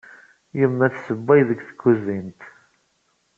Yemma tessewway deg tkuzint.